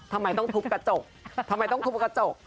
ทำไมต้องทุบกระจกทำไมต้องทุบกระจก